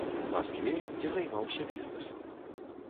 Маскве, дзе займаўся бізнэсам.